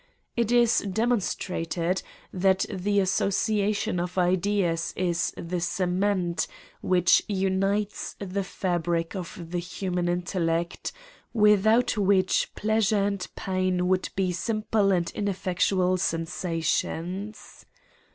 It is de monstrated, that the association of ideas is the cement which unites the fabric of the human in tellect, without which pleasure and pain would be simple and ineffectual sensations.